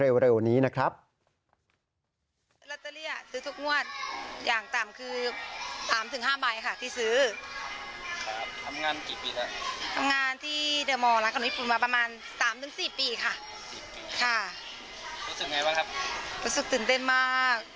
สูตรยังไงบ้างครับรู้สึกตื่นเต้นมาก